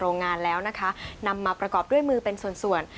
นำมาประกอบด้วยมือเป็นส่วน